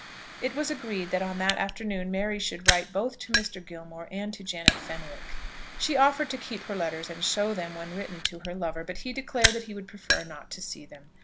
It was agreed that on that afternoon Mary should write both to Mr. Gilmore and to Janet Fenwick. She offered to keep her letters, and show them, when written, to her lover; but he declared that he would prefer not to see them.